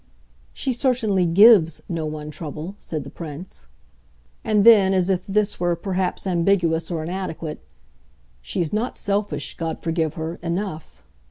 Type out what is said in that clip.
"She certainly GIVES one no trouble," said the Prince. And then as if this were perhaps ambiguous or inadequate: "She's not selfish God forgive her! enough."